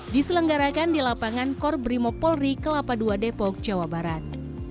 diselenggarakan di lapangan kor brimo polri kelapa ii depok jawa barat